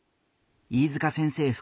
飯塚先生